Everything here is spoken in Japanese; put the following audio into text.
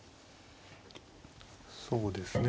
そうですね